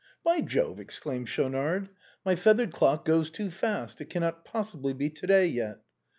" By Jove !" exclaimed Schaunard, " my feathered clock goes too fast : it cannot possibly be to day yet